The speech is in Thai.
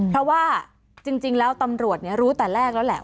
เพราะว่าจริงแล้วตำรวจรู้แต่แรกแล้วแหละ